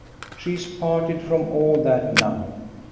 She is parted from all that now.